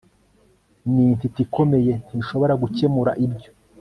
Nintiti ikomeye ntishobora gukemura ibyo